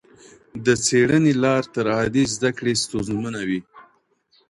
د څيړني لار تر عادي زده کړې ستونزمنه وي.